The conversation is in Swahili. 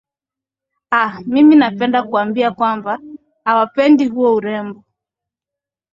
aah mimi napenda kuambia kwamba ambao hawapendi huo urembo